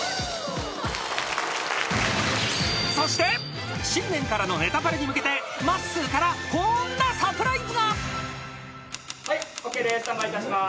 ［そして新年からの『ネタパレ』に向けてまっすーからこんなサプライズが］はいＯＫです。